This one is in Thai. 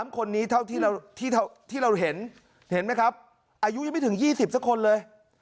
๓คนนี้เท่าที่เราเห็นเห็นไหมครับอายุยังไม่ถึง๒๐สักคนเลย